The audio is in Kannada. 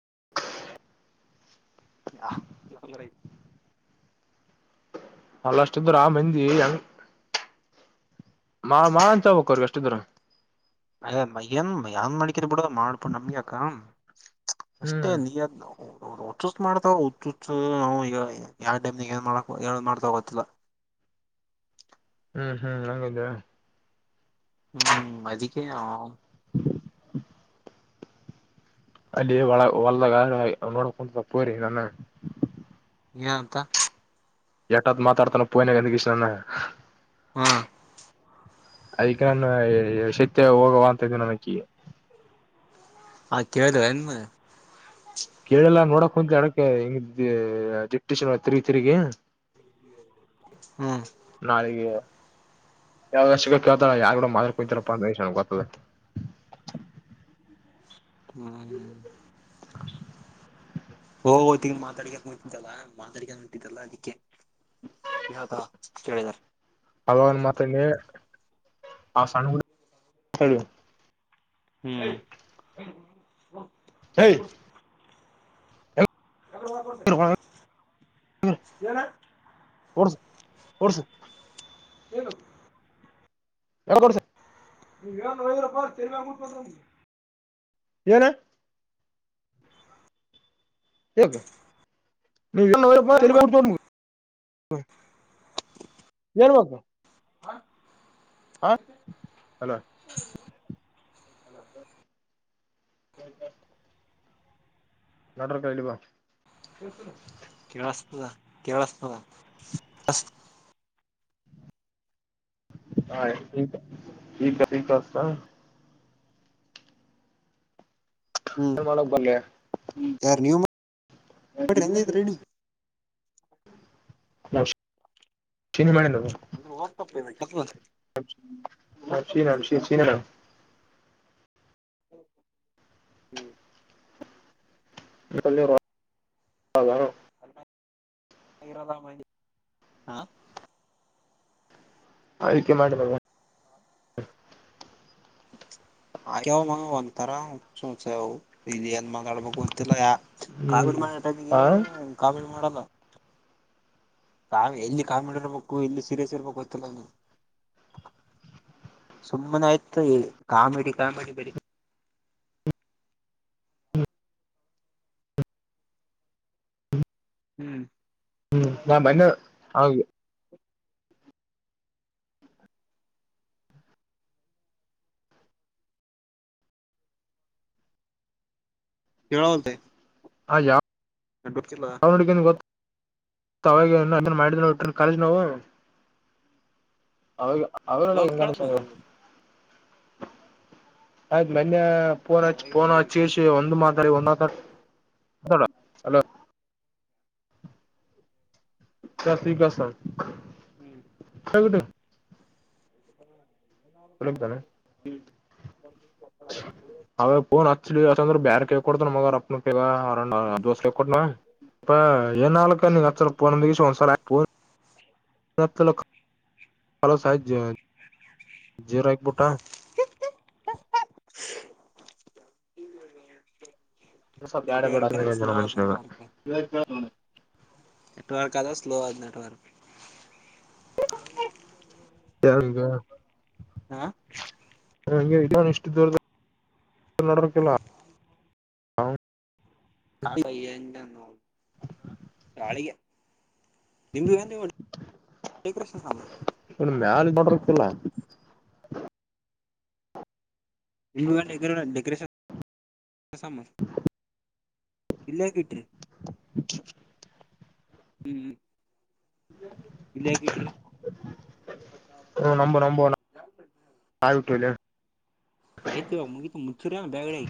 ಹಾ [inaudible] ಹ [unintelligible] [inaudible] ಅಲ್ಲಷ್ಟಿದ್ರ ಮೆಂದಿ ಹೆಂಗ ಮಾ ಮಾ ಅನ್ತ ಬಕ್ೋಿಗೆ ಎಷ್ಟಿದ್ರ ಅಯ ಮಯ್ಯನ್ ಏನ್ ಮಾಡಕಿದ ಬಿಡ ಮಾಡ್ಬು ನಮ್ಯಾಕ ಅಷ್ಟೇ ಹ್ಮ್ ನೀ ಹುಚ್ ಮಾಡ್ತಾವ ಹುಚ್ ನಾವು ಈಗ ಯ ಮ್ ಏನ್ ಮಾಡ ಮಾಡ್ತವೊ ಗೊತ್ತಿಲ್ಲ ಹ್ಮ್ ಹ್ಮ್ ಆಗದಾ ಹ್ಮ್ ಅದಕ್ಕೆೇ ಅವ ಅಲ್ಲಿೇ ವಳ ವಲದಗ ನೋಡ ಕುೊಂಡ್ರಿ ನನ್ನ ಏನನ್ತ ಎಟಾತ್ತು ಮಾತಾಡ್ತಾನೆೋ ಫೋನಗೆ ಕೃಷ್ಣಾನ ಹ್ಮ್ ಅದಕ್ ನಾನು ಶತ್ಯ ಹೋಗುವ ಅಂತ ಇದ್ದು ನಮಗೆ ಹಾ ಕೇಳದ ನ್ ಕೇಳಲ್ಲಾ ನೋಡಕ್ ಹೊಂತ ಅಡಕ ಹೆಂಗ ಡಿಟರಿಶಿ ತಿಗಿ ತಿರುಗಿ ಹ್ಮ್ ನಳಿಗೆ [unintelligible] ಯಾವ ಕೇಳ್ತಾರ ಯಾರ್ು ಕೂಡ ಮಾ ಕುತಾರಪ್ಪ ಅ ಗೊತ್ತದ ಹ್ಮ್ ತಿಗ ಮಾತಾಡಿಿಗೆಲ್ಲ [unintelligible] ಮಾದರಿಕ ನಂತಿದ್ದಲ್ಲ ಅದಿಕ್ಕೆ ವಿತ ಕೇಳಿದಿದ್ದಾರೆ ಹಗವನ್ ಮಾತ್ರ ಆ ಸಾನ ಹೇಳ [unintelligible] ಹ್ಮ್ ಹೇ ಎ ಕೊಡ್ತನೆ ಏನ [unintelligible] [unintelligible] ಓಟ್ಸ್ ಓಟ್ಸ್ ಏನು ಎ ಕೊಡಸ [unintelligible] ನೀ ಳ ವಯರೂಪಾ ಸೆಮಾ ಕೂಡ್ ಕೊೊಂಡ [unintelligible] [unintelligible] ಏನ [inaudible] [inaudible] [unintelligible] ಹ ಹ ಹಲೋ [unintelligible] ನಡರ್ ಕ ಇಲಿವಾ [unintelligible] ಕೇಳಸ್ತದ ಕೇಳಸ್ತದ ಹಾ ಈ ಈಕತ [unintelligible] ಹ್ಮ್ ಹ ಮಲಕ ಬ್ರ ಯಾರ್ ನೀವ್ ಮಾಡ್ರಿ ಹೆಂಗ ಐತ್ ರೆಡಿ [unintelligible] ಅಂದ್ರ [inaudible] ಓದ್ತಪ್ಪ ನಕ್ಷೀ ನ ಶೀ ಚೀನಾ ನ [unintelligible] ಹ್ಮ್ [unintelligible] [inaudible] [unintelligible] [unintelligible] ಆಯ್ಕೆ ಮಾಡಿದ [inaudible] ಆ್ಯವ ಒಂಥರಾ ಹುಚ್ ಹುಚವ್ ಇಲ್ಲಿ ಏನ್ ಮಾತಾಡ್ಬೇಕು ಗತಿಲ್ಲ ಯಾ ಕಾಮಿಡಿ ಹ್ಮ್ ಮಾಡ ಟೈಮೆಗಿ ಆ ಕಾಮಿಡಿ ಮಾಡಲ್ಲ. ಎಲ್ಲಿ ಕಾಮಿಡಿ ಇರ್ಬೇಕು ಎಲ್ಲಿ ಸೀರಿಯಸ್ ಇರ್ಬೇಕು ಗೊತ್ತಿಲ್ಲ ಅವ್ನಿಗ್. ಸುಮ್ಮನೆ ಆಯ್ತು ಇ ಕಾಮಿಡಿ ಕಾಮಿಡಿ ಬರೀ. [inaudible] ಹ್ಮ್ ಹ್ಮ್ ನಮ್ ಅಣ್ಣಾ. [unintelligible] ಹಾ ಯಾವ್ [inaudible] ಮಾಡಿದ [unintelligible] ಕಾಲೇಜ್ ನಾವು ಅವ್ ಅದ್ರಳಗ ಇವಾಗ ಹೆಂಗ್ ಕೇಳ್ತದ ಅನ್ಸೆದೆ. ಆಯತ್ ನಿನ್ನೆ ಪೋನ್ ಪೋನ ಹಚ್ಚಿ ಒಂದು ಮಾತರಿ ಒಂದ. ಹಲೋ [unintelligible] ಸತಿ [unintelligible] ಹ್ಮ್ ತ [unintelligible] [inaudible] [inaudible] [unintelligible] ಅವೇ ಪೋನ್ ಹಚ್ರಿ ಬ್ಯಾರ ಕೇ ಕೊಡ್ತ ಮಗ ಅರ್ರ್ ಅಣ್ಣಾ ದೋಸ ಹೇ ಕೊಡ್ನ. ಏನ್ ಆಳಕ್ಕಾ ನೀ ಅಚ್ [unintelligible] ಲಕ [inaudible] [unintelligible] ಜೋರ್ ಹಾಕು ಬಿಟ್ಟ [inaudible] ಬ್ಯಾಡ ನೆಟ್ವರ್ಕ್ ಸ್ಲೋ ಬಿಡು ಆದ್ ಮನುಷ್ಯನ ನೆಟ್ವರ್ಕ್ [unintelligible] ನೆಟ್ವರ್ಕ್ ಅದ ಸ್ಲೋ ಅದಾ ನೆಟ್ವರ್ಕ್. [unintelligible] ಹಾ. ಇಲ್ಲ ಇಷ್ಟು ದೂರದ ನಡಕ್ಕಿಲ್ಲ [unintelligible] ಪಾಪ ಹೆಂಗ್ ನೋಡ್ ನಾಳಿಗೆ. ನಿಂದು [inaudible] ಹೆ ಕೃಷ್ಣಾಮ [unintelligible] ಡೆಕೋರೇಷನ್. ಇಟ್ರಿ [unintelligible] ಹ್ಮ್ [inaudible] ಇಲ್ ಯಾಕ್ ಇಟ್ರಿ. ನಾ ನಮ್ [unintelligible] ಆಯತು ಮಗತ್ ಮುಗ್ಸಿರ ಬೇಗಡೆ.